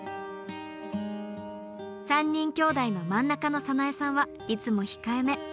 ３人きょうだいの真ん中の早苗さんはいつも控えめ。